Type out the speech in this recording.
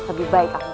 lebih baik aku